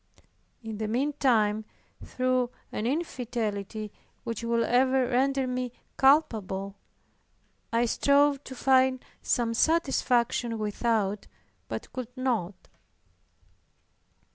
In the meantime, through an infidelity which will ever render me culpable, I strove to find some satisfaction without, but could not.